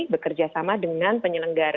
bekerja sama dengan penyelenggarakan